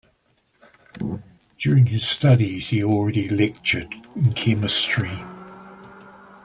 During his studies he already lectured chemistry.